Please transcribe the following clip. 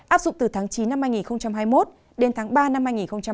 áp dụng từ tháng chín năm hai nghìn hai mươi một đến tháng ba năm hai nghìn hai mươi